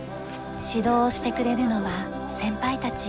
指導をしてくれるのは先輩たち。